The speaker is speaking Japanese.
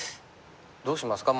どうしますか。